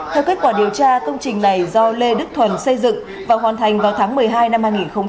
theo kết quả điều tra công trình này do lê đức thuần xây dựng và hoàn thành vào tháng một mươi hai năm hai nghìn một mươi ba